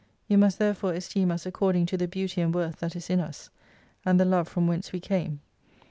You must therefore esteem us according to the beauty and worth that is in us, and the Love from whence we came.